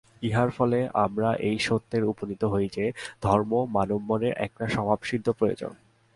ইহার ফলে আমরা এই সত্যেই উপনীত হই যে, ধর্ম মানব-মনের একটি স্বভাবসিদ্ধ প্রয়োজন।